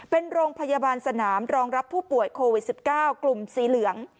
เป็นโรงพยาบาลสนามรองรับผู้ป่วยโควิด๑๙กลุ่มสีเหลือง